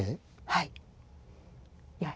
はい。